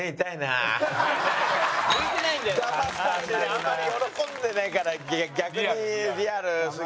あんまり喜んでないから逆にリアルすぎて。